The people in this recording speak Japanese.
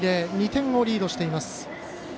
２点をリードしています。